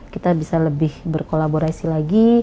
kita bisa lebih berkolaborasi lagi